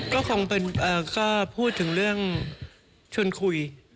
ก็คงก็พูดถึงเรื่องชวนคุย